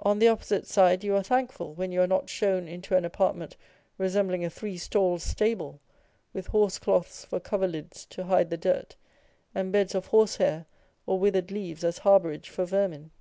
On the opposite side you are thank ful when you are not shown into an apartment resembling a three stalled stable, with horse cloths for coverlids to hide the dirt, and beds of horsehair or withered leaves as harbourage for vermin.